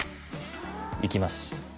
行きます